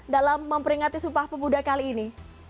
dalam memperingati sumpah pemuda kali ini